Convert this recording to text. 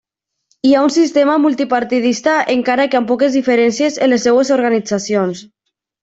Hi ha un sistema multipartidista encara que amb poques diferències en les seves organitzacions.